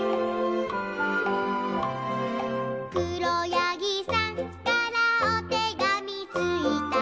「くろやぎさんからおてがみついた」